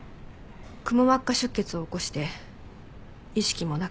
くも膜下出血を起こして意識もなく寝たきりです。